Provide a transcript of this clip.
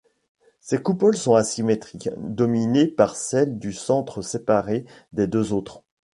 Ses coupoles sont asymétriques, dominées par celle du centre séparée des deux autres.